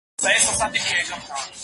ایا ملي بڼوال وچه میوه ساتي؟